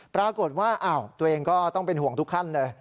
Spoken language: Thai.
ปรากฏว่าตัวเองก็ต้องเป็นห่วงทุกขั้นเลย